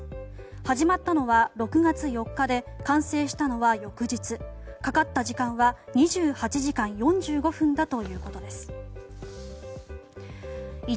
始まったのは６月４日で完成したのは翌日かかった時間は２８時間４５分だということです。